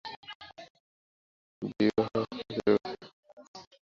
বিবাহরাত্রির কথা আজও সে ভুলতে পারে নি।